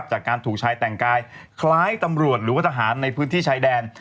จากการถูกชายแต่งกายคล้ายตำรวจหรือว่าทหารในพื้นที่ชายแดน